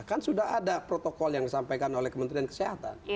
kan sudah ada protokol yang disampaikan oleh kementerian kesehatan